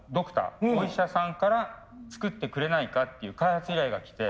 お医者さんから作ってくれないかっていう開発依頼がきて。